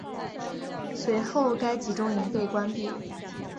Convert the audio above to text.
随后该集中营被关闭。